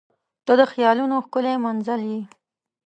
• ته د خیالونو ښکلی منزل یې.